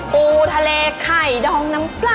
ปูทะเลไข่ดองน้ำปลา